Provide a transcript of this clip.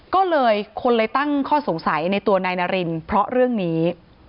ก็เลยคนเลยตั้งข้อสงสัยในตัวนายนารินเพราะเรื่องนี้